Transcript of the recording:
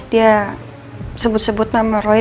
dia sebut sebut nama roy